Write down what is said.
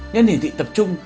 nhân hiển thị tập trung